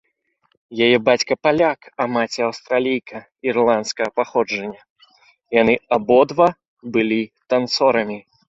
Яе бацька паляк, а маці аўстралійка ірландскага паходжання, яны абодва былі танцорамі.